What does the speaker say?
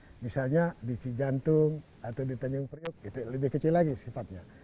ada desa dreshte misalnya di cijantung atau di tanjung priok itu lebih kecil lagi sifatnya